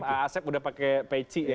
aasep udah pake peci ya